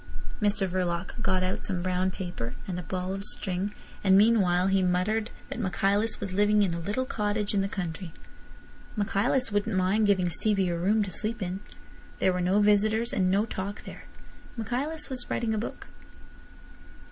Mr Verloc got out some brown paper and a ball of string; and meanwhile he muttered that Michaelis was living in a little cottage in the country. Michaelis wouldn't mind giving Stevie a room to sleep in. There were no visitors and no talk there. Michaelis was writing a book.